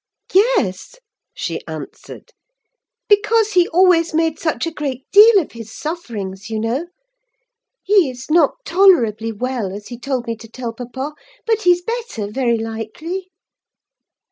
"Yes," she answered; "because he always made such a great deal of his sufferings, you know. He is not tolerably well, as he told me to tell papa; but he's better, very likely."